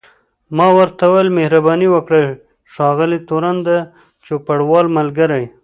ما ورته وویل مهرباني وکړئ ښاغلی تورن، د چوپړوال ملګری.